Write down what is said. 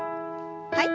はい。